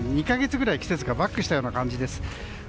２か月ぐらい季節がバックしたような感じです。